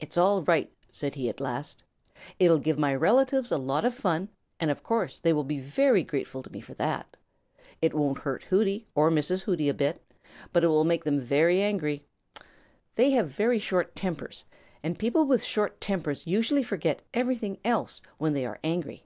"It's all right," said he at last. "It'll give my relatives a lot of fun, and of course they will be very grateful to me for that. It won't hurt Hooty or Mrs. Hooty a bit, but it will make them very angry. They have very short tempers, and people with short tempers usually forget everything else when they are angry.